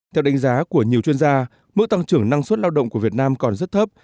theo đánh giá của nhiều chuyên gia mức tăng trưởng năng suất lao động của việt nam còn rất thấp